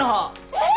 えっ！？